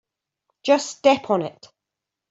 Just step on it.